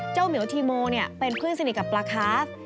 เจ้าเหมียวทีโมนะเป็นเพื่อนสนิทกับปลาครับ